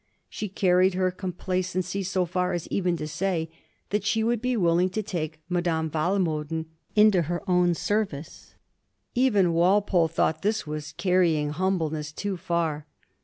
She carried her compla cency so far as even to say that she would be willing to take Madame Walmoden into her own service. Even Walpole thought this was carrying humbleness too far.